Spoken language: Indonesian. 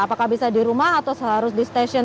apakah bisa di rumah atau harus di stasiun